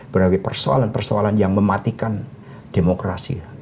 berarti persoalan persoalan yang mematikan demokrasi